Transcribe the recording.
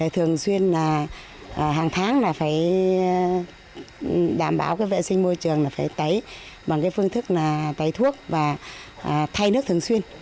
thường xuyên là hàng tháng là phải đảm bảo vệ sinh môi trường là phải tấy bằng cái phương thức là tẩy thuốc và thay nước thường xuyên